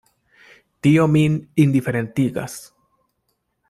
Tio min indiferentigas.